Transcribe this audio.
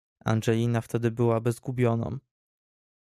"Angelina wtedy byłaby zgubioną."